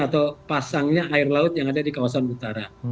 atau pasangnya air laut yang ada di kawasan utara